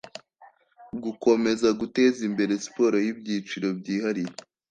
gukomeza guteza imbere siporo y'ibyiciro byihariye